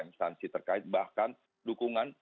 instansi terkait bahkan dukungan